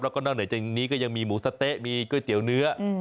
แล้วก็นอกเหนือจากนี้ก็ยังมีหมูสะเต๊ะมีก๋วยเตี๋ยวเนื้อ